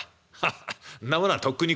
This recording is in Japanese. そんなものはとっくに崩れたよ」。